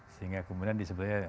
sehingga kemudian disebutnya